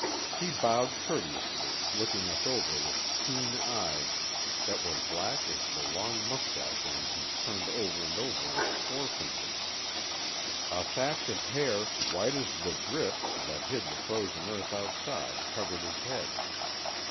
He bowed courteously, looking us over with keen eyes that were black as the long mustache end he turned over and over on his forefinger. A thatch of hair white as the drifts that hid the frozen earth outside covered his head.